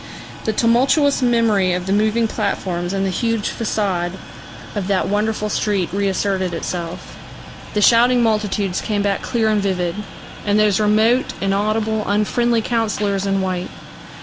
The tumultuous memory of the moving platforms and the huge façade of that wonderful street reasserted itself. The shouting multitudes came back clear and vivid, and those remote, inaudible, unfriendly councillors in white.